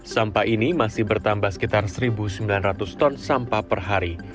sampah ini masih bertambah sekitar satu sembilan ratus ton sampah per hari